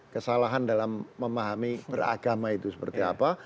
kesalahan dalam memahami beragama itu seperti apa